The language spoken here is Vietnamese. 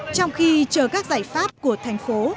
trong khi chờ các giải pháp của thành phố